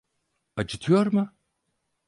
Acıtıyor mu?